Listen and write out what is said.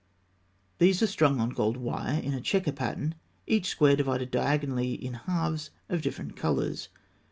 These are strung on gold wire in a chequer pattern, each square divided diagonally in halves of different colours.